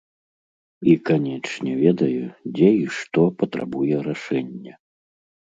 І канечне ведаю, дзе і што патрабуе рашэння.